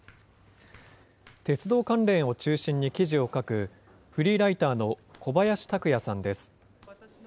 鉄道関連を中心に記事を書く、フリーライターの小林拓矢さんです。